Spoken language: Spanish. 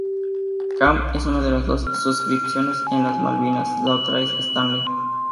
Camp es una de las dos circunscripciones en las Malvinas, la otra es Stanley.